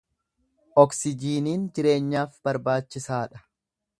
Oksijiiniin jireenyaaf barbaachisaa dha.